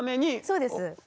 そうです。